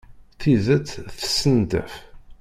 Tidet tessendaf.